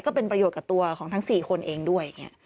ก็เป็นประโยชน์กับตัวของทั้ง๔คนเองด้วย